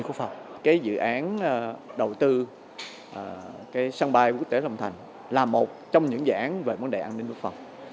các dự án đầu tư sân bay quốc tế long thành là một trong những dự án về vấn đề an ninh quốc phòng